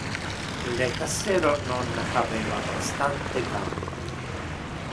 Le cassero non habeva bastante cambio.